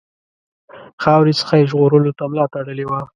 خاورې څخه یې ژغورلو ته ملا تړلې وه.